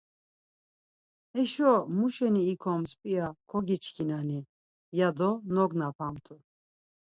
Heşo muşeni ikoms p̌ia kogiçkinani, ya do nognapamt̆u.